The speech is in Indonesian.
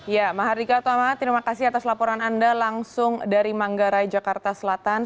ya maha rika tuhan maaf terima kasih atas laporan anda langsung dari manggarai jakarta selatan